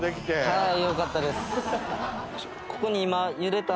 はい。